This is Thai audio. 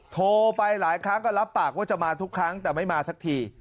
โทรไปหลายครั้งก็รับปากว่าจะมาทุกครั้งแต่ไม่มาสักที